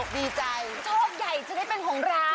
ดีใจโชคใหญ่จะได้เป็นของเรา